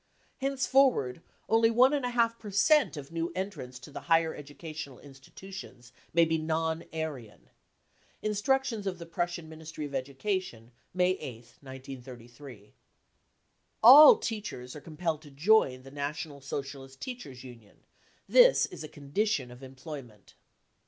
Henceforward only one and a half per cent of new entrants to the higher educational institu tions may be £C non Aryan. 55 (Instructions of the Prussian Ministry of Education, May 8th, 1933.) All teachers are compelled to join the National Socialist Teachers 5 Union ; this is a condition of employment.